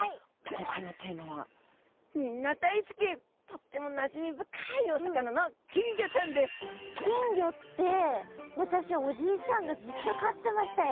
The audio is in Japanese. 今回のテーマはみんな大好きとってもなじみ深いお魚の金魚って私おじいちゃんがずっと飼ってましたよ。